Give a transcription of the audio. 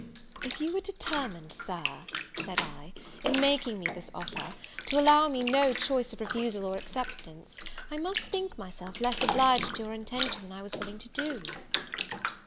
"If you were determined, Sir," said I, "in making me this offer, to allow me no choice of refusal or acceptance, I must think myself less obliged to your intention than I was willing to do."